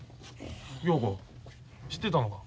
陽子知ってたのか？